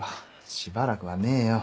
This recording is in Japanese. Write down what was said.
しばらくはねえよ。